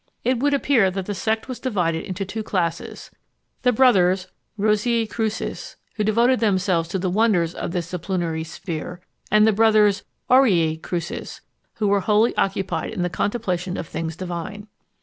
It would appear that the sect was divided into two classes the brothers Roseæ Crucis, who devoted themselves to the wonders of this sublunary sphere, and the brothers Aureæ Crucis, who were wholly occupied in the contemplation of things divine.